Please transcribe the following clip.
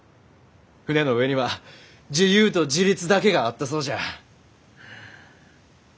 船の上には自由と自立だけがあったそうじゃ。